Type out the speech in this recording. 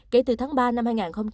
kể từ tháng ba năm hai nghìn hai mươi